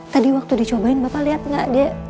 tadi waktu dicobain bapak lihat nggak dia